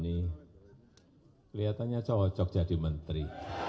adinda bahlil ini kelihatannya cocok jadi menteri